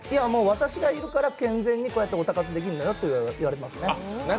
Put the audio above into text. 私がいるから健全にオタ活できるのよって言われますね。